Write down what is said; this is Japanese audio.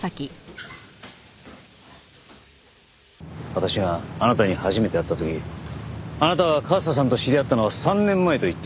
私があなたに初めて会った時あなたは和沙さんと知り合ったのは３年前と言っていた。